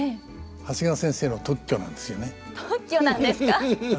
長谷川先生の特許なんですよね。